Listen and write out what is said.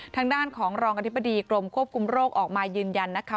ทางด้านของรองอธิบดีกรมควบคุมโรคออกมายืนยันนะคะ